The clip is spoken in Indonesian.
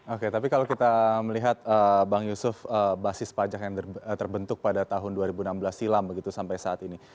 oke tapi kalau kita melihat bang yusuf basis pajak yang terbentuk pada tahun dua ribu enam belas silam begitu sampai saat ini